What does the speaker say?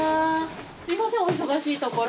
すいませんお忙しいところ。